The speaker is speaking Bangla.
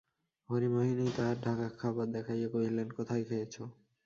হরিমোহিনী তাহার ঢাকা খাবার দেখাইয়া কহিলেন, কোথায় খেয়েছ?